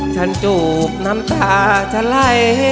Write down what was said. ฉันจูบน้ำตาจะไล่